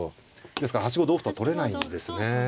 ですから８五同歩とは取れないんですね。